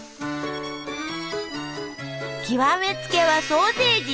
極めつけはソーセージ！